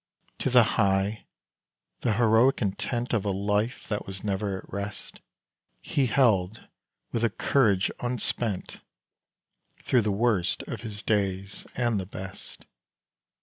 To the high, the heroic intent Of a life that was never at rest, He held, with a courage unspent, Through the worst of his days and the best.